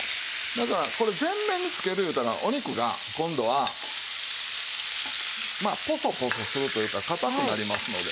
だからこれ全面につけるいうたらお肉が今度はまあポソポソするというか硬くなりますので。